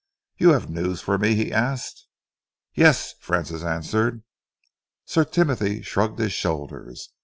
"You have news for me?" he asked. "Yes!" Francis answered. Sir Timothy shrugged his shoulders.